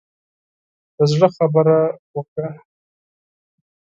د زړه خبره وکړه.